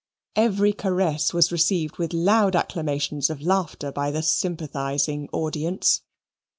Every caress was received with loud acclamations of laughter by the sympathizing audience.